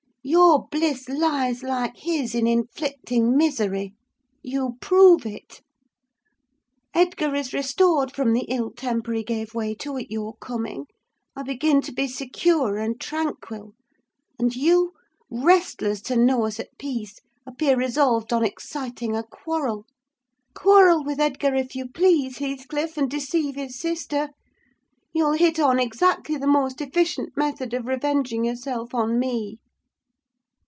Your bliss lies, like his, in inflicting misery. You prove it. Edgar is restored from the ill temper he gave way to at your coming; I begin to be secure and tranquil; and you, restless to know us at peace, appear resolved on exciting a quarrel. Quarrel with Edgar, if you please, Heathcliff, and deceive his sister: you'll hit on exactly the most efficient method of revenging yourself on me."